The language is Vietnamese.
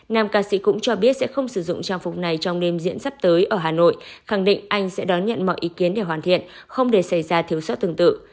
nam ca sĩ cũng cho biết sẽ không sử dụng trang phục này trong đêm diễn sắp tới ở hà nội khẳng định anh sẽ đón nhận mọi ý kiến để hoàn thiện không để xảy ra thiếu sót tương tự